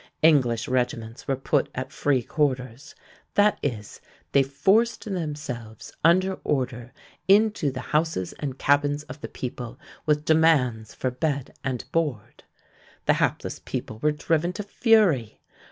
English regiments were put at "free quarters," that is, they forced themselves under order into the houses and cabins of the people with demands for bed and board. The hapless people were driven to fury.